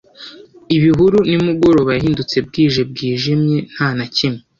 ibihuru nimugoroba yahindutse bwije bwijimye. nta na kimwe